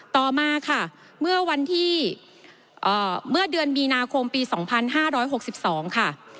ต่อมาค่ะเมื่อเดือนมีนาคมปี๒๕๖๒ค่ะ